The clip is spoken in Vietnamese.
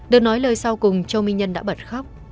được nói lời sau cùng châu minh nhân đã bật khóc